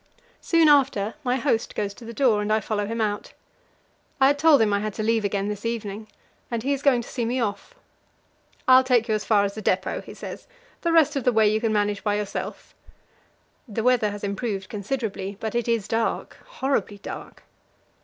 Soon after, my host goes to the door, and I follow him out. I had told him I had to leave again this evening, and he is going to see me off. "I'll take you as far as the depot," he says; "the rest of the way you can manage by yourself." The weather has improved considerably, but it is dark horribly dark.